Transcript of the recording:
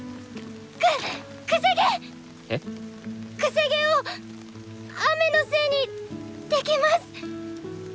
癖毛を雨のせいにできます！